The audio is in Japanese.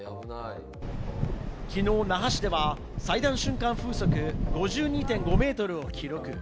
那覇市では最大瞬間風速５２．５メートルを記録。